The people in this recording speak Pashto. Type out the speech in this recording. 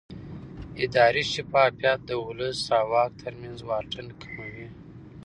اداري شفافیت د ولس او واک ترمنځ واټن کموي